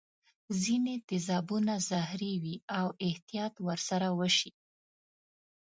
ځیني تیزابونه زهري وي او احتیاط ور سره وشي.